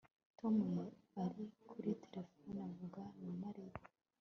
Tom ari kuri terefone avugana na Mariya